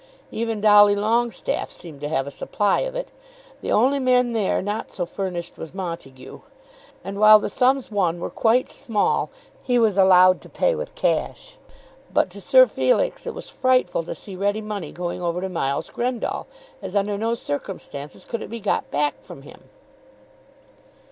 Even Dolly Longestaffe seemed to have a supply of it. The only man there not so furnished was Montague, and while the sums won were quite small he was allowed to pay with cash. But to Sir Felix it was frightful to see ready money going over to Miles Grendall, as under no circumstances could it be got back from him.